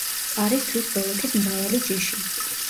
არის თვის ბოლოკის მრავალი ჯიში.